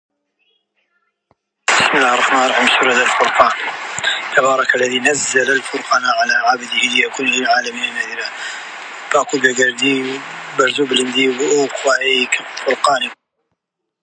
هەندێ جار زۆر تاسەی کوردستان دەکەم.